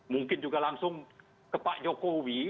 mungkin juga langsung ke pak jokowi